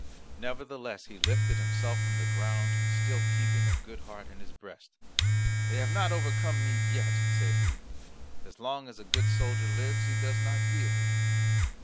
Nevertheless he lifted himself from the ground, still keeping a good heart in his breast. "They have not overcome me yet"; said he, "as long as a good soldier lives, he does not yield."